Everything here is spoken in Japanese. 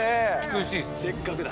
せっかくだ。